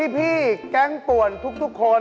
แก๊งป่วนทุกคน